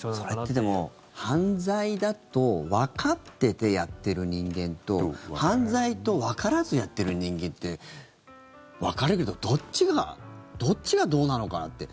それって、でも犯罪だとわかっててやってる人間と犯罪とわからずやってる人間って分かれるけどどっちがどうなのかなって。